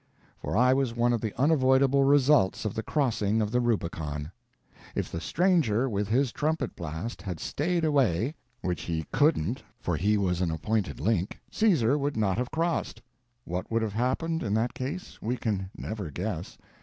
For I was one of the unavoidable results of the crossing of the Rubicon. If the stranger, with his trumpet blast, had stayed away (which he couldn't, for he was an appointed link) Caesar would not have crossed. What would have happened, in that case, we can never guess.